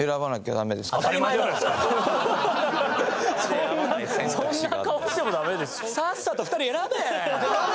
そんなそんな顔してもダメです！